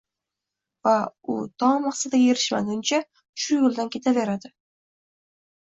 va u to maqsadiga erishmaguncha shu yo‘ldan ketaveradi.